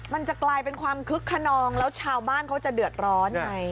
มันจะกลายเป็นความคึกขนองแล้วชาวบ้านเขาจะเดือดร้อนไง